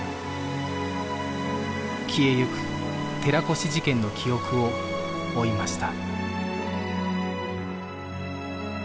消えゆく「寺越事件」の記憶を追いました